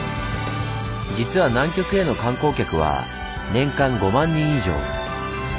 実は南極への観光客は年間５万人以上。